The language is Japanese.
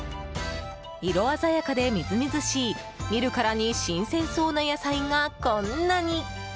色鮮やかでみずみずしい見るからに新鮮そうな野菜がこんなに。